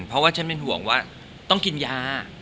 เพราะว่าฉันเป็นห่วงว่าต้องกินยา